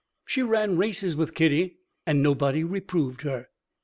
She ran races with Kitty and nobody reproved her.